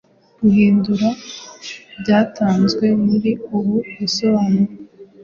Guhindura byatanzwe muri ubu busobanuro